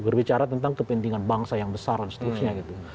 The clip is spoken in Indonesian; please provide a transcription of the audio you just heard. berbicara tentang kepentingan bangsa yang besar dan seterusnya gitu